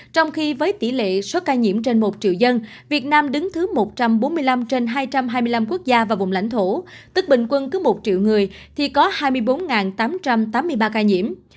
trong khi với tỷ lệ số ca nhiễm trên một triệu dân việt nam đứng thứ một trăm bốn mươi năm trên hai trăm hai mươi năm quốc gia và vùng lãnh thổ tức bình quân cứ một triệu người thì có hai mươi bốn tám trăm tám mươi ba ca nhiễm